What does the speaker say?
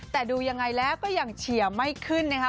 แต่ดูยังไงแล้วก็ยังเชียร์ไม่ขึ้นนะคะ